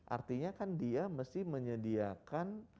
artinya kan dia mesti menyediakan